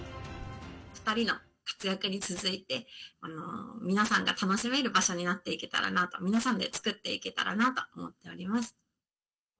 ２人の活躍に続いて、皆さんが楽しめる場所になっていけたらなと、皆さんで作っていけたらなと思っております。